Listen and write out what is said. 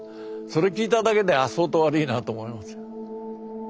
それ聞いただけで相当悪いなと思いますよ。